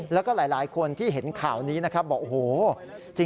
แล้วก็หลายคนที่เห็นข่าวนี้นะครับบอกโอ้โห